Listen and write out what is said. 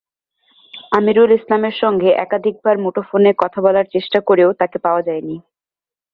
আমিরুল ইসলামের সঙ্গে একাধিকবার মুঠোফোনে কথা বলার চেষ্টা করেও তাঁকে পাওয়া যায়নি।